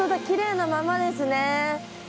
きれいなままですね。